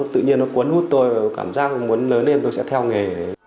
tự nhiên nó cuốn hút tôi và cảm giác muốn lớn lên tôi sẽ theo nghề